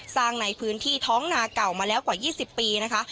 สร้างในพื้นที่ท้องนาเก่ามาแล้วกว่า๒๐ปีนะคะ